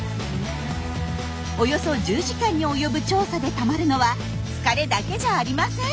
およそ１０時間に及ぶ調査でたまるのは疲れだけじゃありません。